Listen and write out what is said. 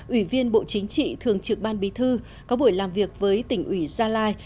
ủy viên bộ chính trị thường trực ban bí thư có buổi làm việc với tỉnh ủy gia lai